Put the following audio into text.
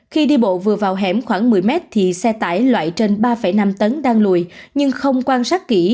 khi đi bộ vừa vào hẻm khoảng một mươi mét thì xe tải loại trên ba năm tấn đang lùi nhưng không quan sát kỹ